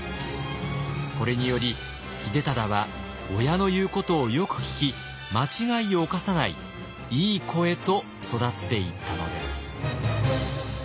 これにより秀忠は親の言うことをよく聞き間違いをおかさないいい子へと育っていったのです。